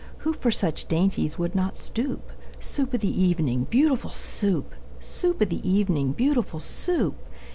Who for such dainties would not stoop? Soup of the evening, beautiful Soup! Soup of the evening, beautiful Soup!